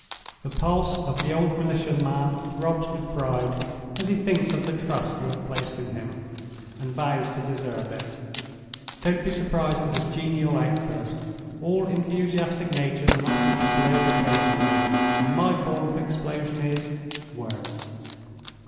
The pulse of the old militia man throbs with pride as he thinks of the trust you have placed in him, and vows to deserve it. Don't be surprised at this genial outburst. All enthusiastic natures must explode occasionally; and my form of explosion is—Words.